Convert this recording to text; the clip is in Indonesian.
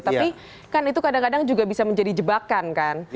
tapi kan itu kadang kadang juga bisa menjadi jebakan kan